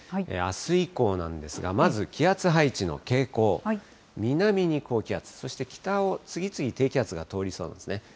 あす以降なんですが、まず気圧配置の傾向、南に高気圧、そして北を次々、低気圧が通りそうですね。